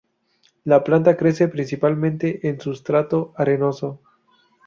La planta crece principalmente en sustrato arenoso.